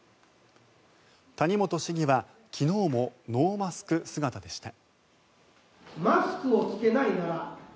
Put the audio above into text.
谷本市議は昨日もノーマスク姿でした。